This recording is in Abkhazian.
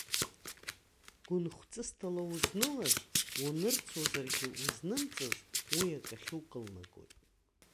Гәынхәҵысҭала узнылаз, уанырцозаргьы узнымҵыз, уи акахьы укылнагоит.